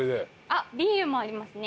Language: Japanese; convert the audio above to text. あっビールもありますね。